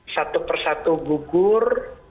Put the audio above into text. satu persatu gugur